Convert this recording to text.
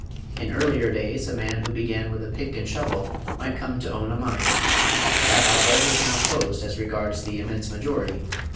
In earlier days, a man who began with a pick and shovel might come to own a mine. That outlet was now closed as regards the immense majority....